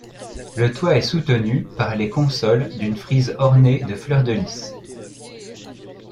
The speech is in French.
Le toit est soutenu par les consoles d'une frise ornée de fleurs de lys.